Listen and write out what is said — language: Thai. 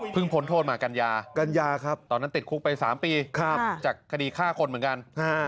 เพิ่งพ้นโทษมากันยาครับตอนนั้นติดคุกไป๓ปีครับจากคดีฆ่าคนเหมือนกัน